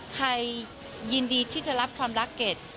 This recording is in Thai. ใครยินดีที่จะรับความรักเกรด